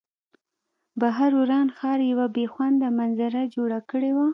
بهر وران ښار یوه بې خونده منظره جوړه کړې وه